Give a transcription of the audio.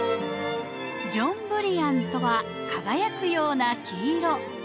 ‘ジョンブリアン’とは「輝くような黄色」という意味。